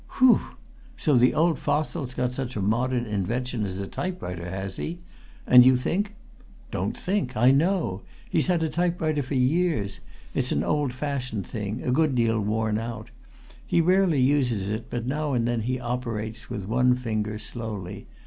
"Whew! So the old fossil's got such a modern invention as a typewriter, has he? And you think " "Don't think I know! He's had a typewriter for years; it's an old fashioned thing, a good deal worn out. He rarely uses it, but now and then he operates, with one finger, slowly.